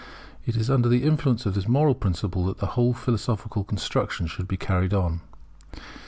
It is under the influence of this moral principle that the whole philosophical construction should be carried on.